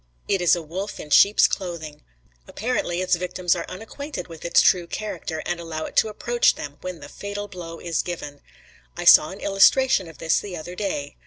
It is a wolf in sheep's clothing. Apparently its victims are unacquainted with its true character and allow it to approach them, when the fatal blow is given. I saw an illustration of this the other day.